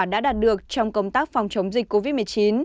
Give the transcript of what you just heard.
đã đạt được trong công tác phòng chống dịch covid một mươi chín